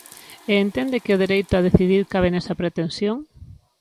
E entende que o dereito a decidir cabe nesa pretensión.